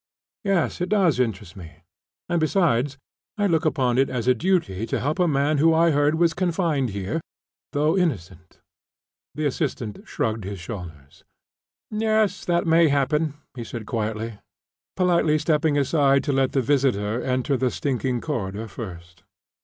"Yes, it does interest me; and, besides, I look upon it as a duty to help a man who I heard was confined here, though innocent." The assistant shrugged his shoulders. "Yes, that may happen," he said quietly, politely stepping aside to let the visitor enter, the stinking corridor first.